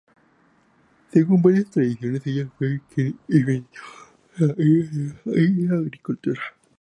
Según varias tradiciones, ella fue quien inventó la lira y la agricultura.